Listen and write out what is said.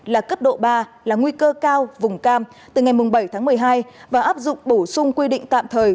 là cấp độ ba là nguy cơ cao vùng cam từ ngày bảy tháng một mươi hai và áp dụng bổ sung quy định tạm thời